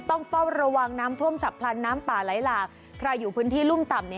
ต้องเฝ้าระวังน้ำท่วมฉับพลันน้ำป่าไหลหลากใครอยู่พื้นที่รุ่มต่ำ